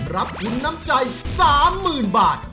รับคุณน้ำใจสามหมื่นบาท